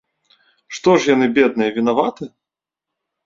Што ж яны, бедныя, вінаваты?